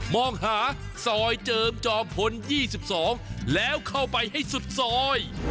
มองหาซอยเจิมจอมพล๒๒แล้วเข้าไปให้สุดซอย